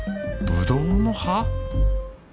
ぶどうの葉？